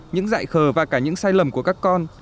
những dại khờ và cả những sai lầm của các con